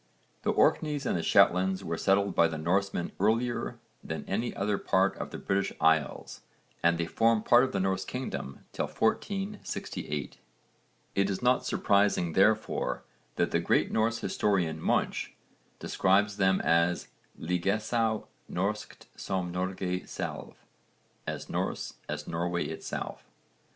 The Orkneys and the Shetlands were settled by the Norsemen earlier than any other part of the British Isles and they formed part of the Norse kingdom till 1468. It is not surprising therefore that the great Norse historian Munch describes them as ligesaa norskt som Norge selv, 'as Norse as Norway itself.'